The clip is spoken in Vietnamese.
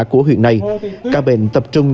của huyện này ca bệnh tập trung